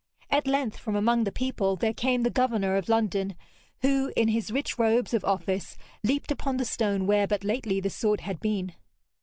At length from among the people there came the governor of London, who, in his rich robes of office, leaped upon the stone where but lately the sword had been.